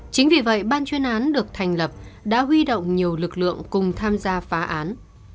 chính vì vậy ban chuyên án được thành lập đã huy động nhiều lực lượng cùng tham gia phá án